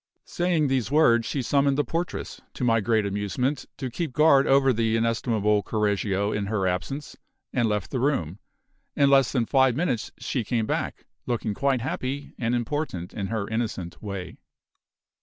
Saying these words, she summoned the portress, to my great amusement, to keep guard over the inestimable Correggio in her absence, and left the room. In less than five minutes she came back, looking quite happy and important in her innocent way.